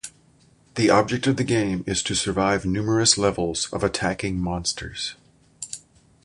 The object of the game is to survive numerous levels of attacking monsters.